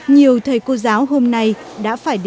nhiều thầy cô giáo hôm nay đã phải đi